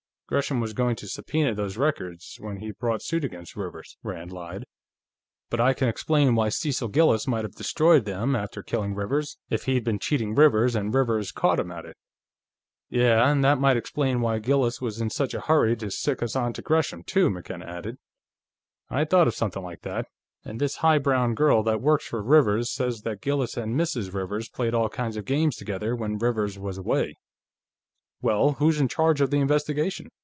Gresham was going to subpoena those records, when he brought suit against Rivers," Rand lied. "But I can explain why Cecil Gillis might have destroyed them, after killing Rivers, if he'd been cheating Rivers and Rivers caught him at it." "Yeah, and that might explain why Gillis was in such a hurry to sic us onto Gresham, too," McKenna added. "I thought of something like that. And this high brown girl that works for Rivers says that Gillis and Mrs. Rivers played all kinds of games together, when Rivers was away." "Well, who's in charge of the investigation?"